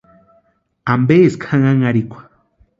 ¿Ampeski janhanharhikwa?